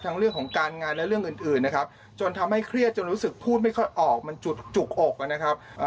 เรื่องของการงานและเรื่องอื่นนะครับจนทำให้เครียดจนรู้สึกพูดไม่ค่อยออกมันจุกอกนะครับ